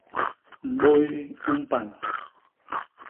Mboy u mpan.